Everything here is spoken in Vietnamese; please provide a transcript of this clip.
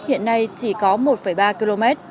hiện nay chỉ có một ba km